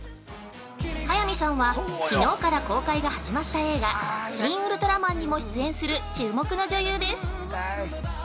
早見さんはきのうから公開が始まった映画「シン・ウルトラマン」にも出演する注目の女優です。